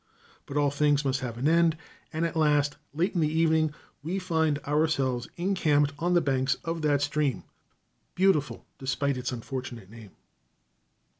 But all things must have an end, and at last, late in the evening, we find ourselves encamped on the banks of that stream, beautiful despite its unfortunate name.